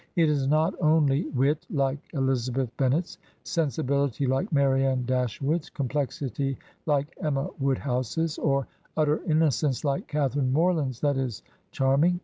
It is not only wit like Elizabeth Bennet's, sensibility like Marianne Dashwood's, complexity like Emma Woodhouse's, or utter innocence like Catharine Morland's that is charm ing.